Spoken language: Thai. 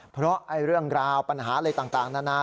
เพราะเรื่องราวปัญหาอะไรต่างนานา